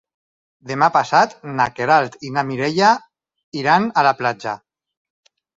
Demà passat na Queralt i na Mireia iran a la platja.